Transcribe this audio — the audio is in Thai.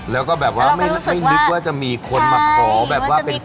แล้วก็แบบว่าไม่นึกว่าจะมีคนมาขอแบบว่าเป็น